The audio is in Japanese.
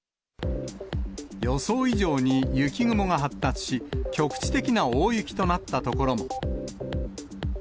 予想以上に雪雲が発達し、局地的な大雪となった所も。